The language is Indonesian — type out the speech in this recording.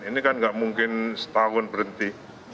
ini kan nggak mungkin setahun berhenti